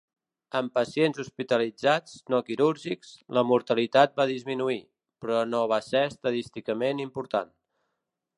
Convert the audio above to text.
En pacients hospitalitzats no quirúrgics, la mortalitat va disminuir, però no va ser estadísticament important.